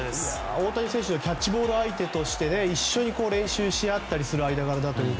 大谷選手のキャッチボール相手として一緒に練習し合ったりする間柄だと。